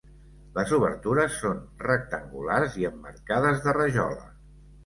Les obertures són rectangulars i emmarcades de rajola.